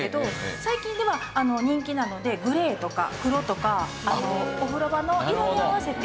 最近では人気なのでグレーとか黒とかお風呂場の色に合わせて。